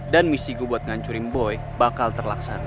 dan misi gue buat ngancurin boy bakal terlaksana